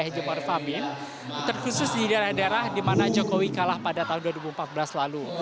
jokowi juga berpengaruh untuk mengatasi kebolehan ma'ruf amin terkhusus di daerah daerah dimana jokowi kalah pada tahun dua ribu empat belas lalu